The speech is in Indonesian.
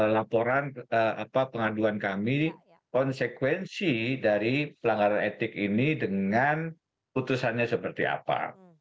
laporan pengaduan kami konsekuensi dari pelanggaran etik ini dengan putusannya seperti apa